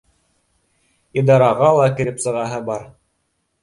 Идараға ла кереп сығаһы бар